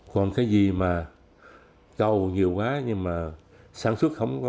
còn cái gì mà cầu nhiều quá nhưng mà sản xuất không có